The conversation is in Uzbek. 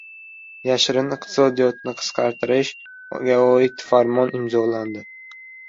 Yashirin iqtisodiyotni qisqartirishga oid farmon imzolandi